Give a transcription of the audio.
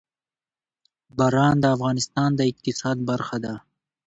باران د افغانستان د اقتصاد برخه ده.